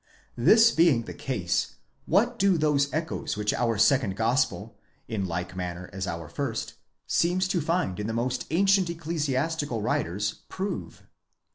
'This being the case, what do those echoes which our second Gospel, in like manner as our first, seems to find in the most ancient ecclesiastical writers, prove